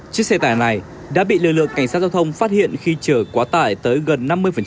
chiếc xe tải này đã bị lực lượng cảnh sát giao thông phát hiện khi chở quá tải tới gần năm mươi